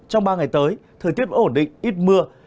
trong ba ngày tới thời tiết ổn định ít mưa